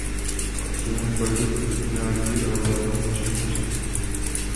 Cílem je porazit ostatní národy a ovládnout středomoří.